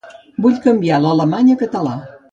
Vull canviar l'alemany a català.